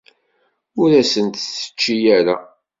Ur asen-t-tečči ara.